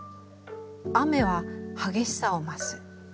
雨は激しさを増す。